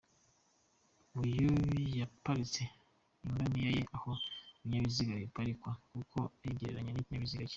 Uyu yaparitse ingamiya ye aho ibinyabiziga biparikwa kuko ayigereranya n'ikinyabiziga cye.